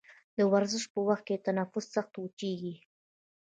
د ورزش په وخت کې تنفس سخت او چټکېږي.